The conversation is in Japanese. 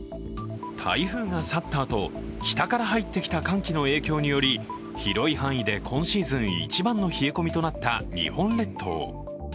台風が去ったあと、北から入ってきた寒気の影響により広い範囲で今シーズン一番の冷え込みとなった日本列島。